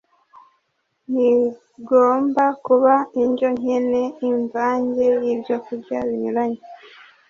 Ntigomba kuba indyo nkene Imvange yibyokurya binyuranye